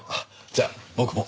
じゃあ僕も。